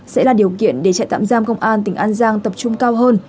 sẽ là điều kiện để trại tạm giam công an tỉnh an giang tập trung cao hơn